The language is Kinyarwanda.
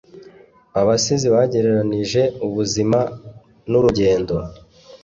Abasizi bagereranije ubuzima nurugendo.